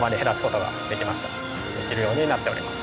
できるようになっております。